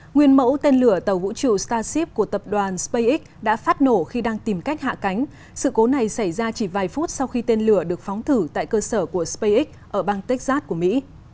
nguyên mẫu tên lửa tàu vũ trụ starship của tập đoàn spacex đã phát nổ khi đang tìm cách hạ cánh sự cố này xảy ra chỉ vài phút sau khi tên lửa được phóng thử tại cơ sở của spacex ở bang texas của mỹ